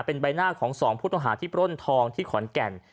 เป็นใบหน้าของสองผู้ต้องหาที่ปล้นทองที่ขอนแก่น